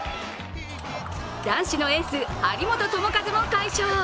男子のエース・張本智和も快勝。